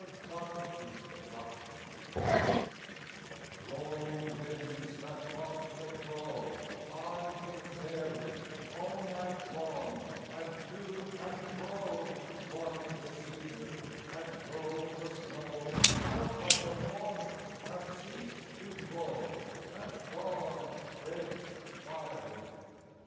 A SONG OF THE SNOW I Roaring winds that rocked the crow, High in his eyrie, All night long, and to and fro Swung the cedar and drove the snow Out of the North, have ceased to blow, And dawn breaks fiery.